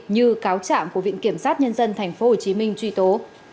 như cáo trạm của viện kiểm soát nhân dân tp hcm truy tố